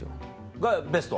がベスト？